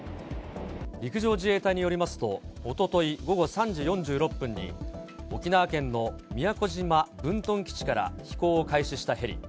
陸上自衛隊によりますと、おととい午後３時４６分に、沖縄県の宮古島分屯基地から飛行を開始したヘリ。